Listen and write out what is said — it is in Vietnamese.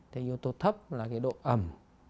yếu tố thấp là độ ẩm